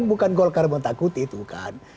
bukan golkar menakuti itu kan